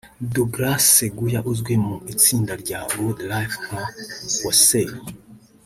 Douglas Sseguya uzwi mu itsinda rya Good Life nka Weasel